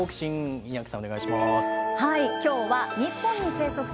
庭木さん、お願いします。